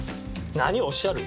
何をおっしゃる。